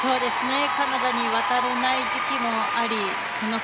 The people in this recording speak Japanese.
カナダに渡れない時期もありその